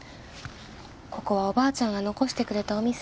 ここはおばあちゃんが残してくれたお店。